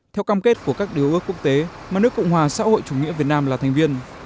theo cam kết của các điều ước quốc tế mà nước cộng hòa xã hội chủ nghĩa việt nam là thành viên